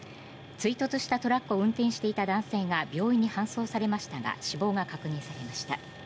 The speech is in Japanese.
追突したトラックを運転していた男性が病院に搬送されましたが死亡が確認されました。